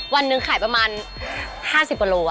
วันหนึ่งขายประมาณ๕๐กว่าโล